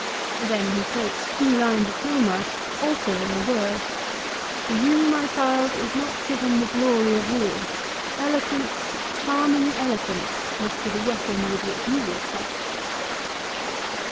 Then he quotes two lines of Homer, altering a word. " To you, my child, is not given the glory of war ; eloquence, charming eloquence, must be the weapon with which you will fight."